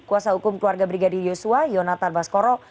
kuasa hukum keluarga brigadir yosua yonatan baskoro